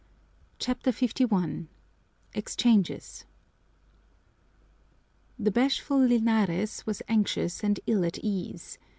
CHAPTER LI Exchanges The bashful Linares was anxious and ill at ease.